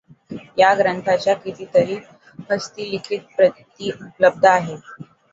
या ग्रंथाच्या कितीतरी हस्तलिखित प्रती उपलब्ध आहेत.